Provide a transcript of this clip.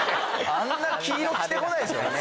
あんな黄色着てこないですから。